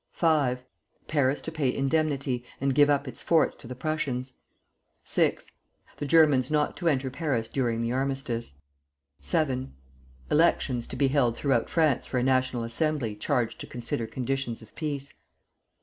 V. Paris to pay indemnity, and give up its forts to the Prussians. VI. The Germans not to enter Paris during the armistice. VII. Elections to be held throughout France for a National Assembly charged to consider conditions of peace.